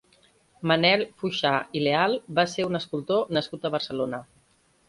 Manel Fuxà i Leal va ser un escultor nascut a Barcelona.